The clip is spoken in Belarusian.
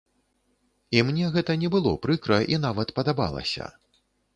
І мне гэта не было прыкра і нават падабалася.